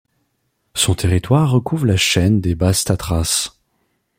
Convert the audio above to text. Son territoire recouvre la chaîne des Basses Tatras.